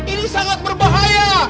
ini sangat berbahaya